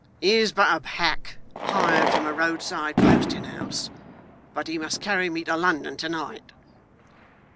He is but a hack hired from a roadside posting house, but he must carry me to London to night.